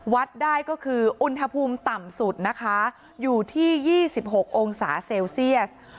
วัดได้ก็คืออุณหภูมิต่ำสุดนะคะอยู่ที่๒๖องศาเซลเซียส